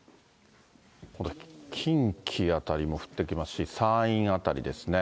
近畿辺りも降ってきますし、山陰辺りですね。